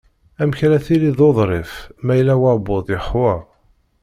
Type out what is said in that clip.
Amek ara tiliḍ d uḍrif, ma yella uεebbuḍ yexwa?